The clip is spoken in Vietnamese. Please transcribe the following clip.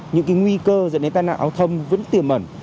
những nguy cơ dẫn đến tai nạn giao thông vẫn tiềm mẩn